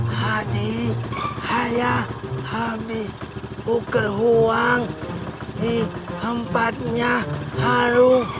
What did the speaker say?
hadi haya habis buka uang di tempatnya harung